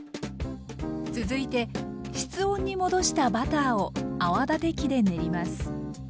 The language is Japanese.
続いて室温に戻したバターを泡立て器で練ります。